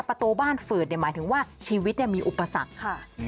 ประตูบ้านฝืดหมายถึงว่าชีวิตมีอุปสรรคค่ะ